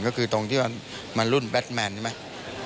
ก็คือตรงที่ว่ามันรุ่นแบทแมนใช่ไหม